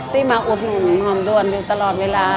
ที่มาอุดหนุนหอมด่วนอยู่ตลอดเวลา